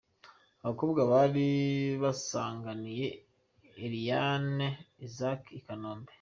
Aba bakobwa bari basanganiye Eliane Isaac i Kanombe.